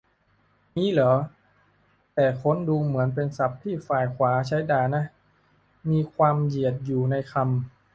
งี้เหรอ แต่ค้นดูเหมือนเป็นศัพท์ที่ฝ่ายขวาใช้ด่านะ มีความเหยียดอยู่ในคำ